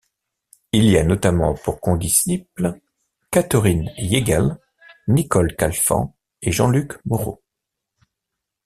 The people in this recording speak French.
Il y a notamment pour condisciples Catherine Hiegel, Nicole Calfan et Jean-Luc Moreau.